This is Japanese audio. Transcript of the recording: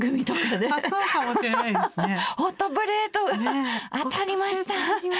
ねっ「ホットプレート当たりました！」。